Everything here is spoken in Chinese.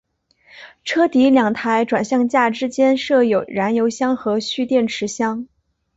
车底两台转向架之间设有燃油箱和蓄电池箱。